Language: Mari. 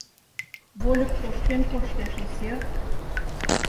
Вольык тошкен коштеш, исер!